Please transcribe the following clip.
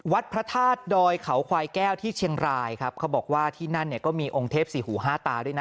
พระธาตุดอยเขาควายแก้วที่เชียงรายครับเขาบอกว่าที่นั่นเนี่ยก็มีองค์เทพสี่หูห้าตาด้วยนะ